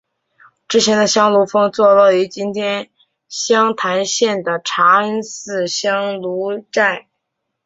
但之前的香炉峰坐落于今天湘潭县的茶恩寺香炉寨。